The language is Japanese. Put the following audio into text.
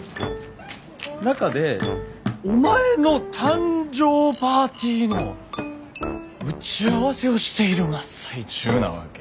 中でお前の誕生パーティーの打ち合わせをしている真っ最中なわけ。